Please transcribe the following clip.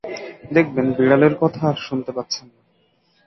দেখবেন, বিড়ালের কথা আর শুনতে পাচ্ছেন না।